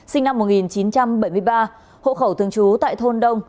sinh năm một nghìn chín trăm bảy mươi ba hộ khẩu thường trú tại thôn đông